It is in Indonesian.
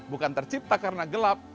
bukan tercipta karena gelap